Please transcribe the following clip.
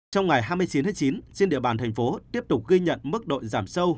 trong ngày hai mươi chín tháng chín trên địa bàn thành phố tiếp tục ghi nhận mức độ giảm sâu